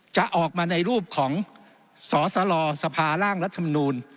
จะออกมาในรูปของสสลสภาร่างรัฐมนูล